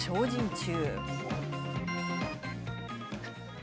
中。